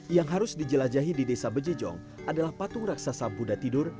yang harus dijelajahi di desa bejejong adalah patung raksasa buddha tidur